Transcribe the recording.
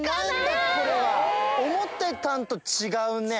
思ってたんと違うね。